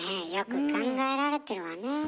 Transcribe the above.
よく考えられてるわね。